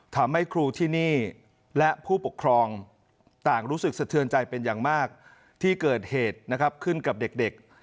ทำให้ครูที่นี่และผู้ปกครองต่างรู้สึกสะเทือนใจเป็นอย่างมากที่เกิดเหตุนะครับขึ้นกับเด็ก